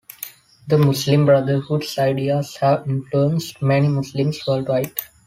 The Muslim Brotherhood's ideas have influenced many Muslims worldwide.